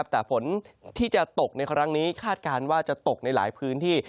แต่ฝนที่จะตกในครั้งนี้คาดการณ์ว่าจะตกในหลายพื้นที่